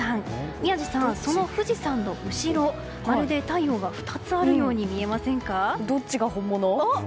宮司さん、その富士山の後ろまるで太陽が２つあるようにどっちが本物？